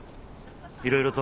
いろいろと。